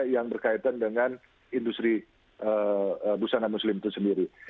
yang berkaitan dengan industri busana muslim itu sendiri